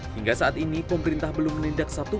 hingga saat ini pemerintah belum menindak satu